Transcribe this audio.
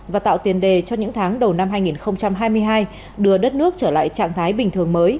và tạo tiền đề cho những tháng đầu năm hai nghìn hai mươi hai đưa đất nước trở lại trạng thái bình thường mới